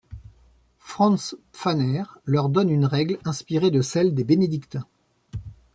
Franz Pfanner leur donne une règle inspirée de celle des bénédictins.